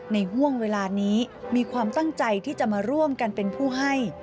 ห่วงเวลานี้มีความตั้งใจที่จะมาร่วมกันเป็นผู้ให้